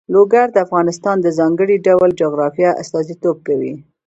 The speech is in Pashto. لوگر د افغانستان د ځانګړي ډول جغرافیه استازیتوب کوي.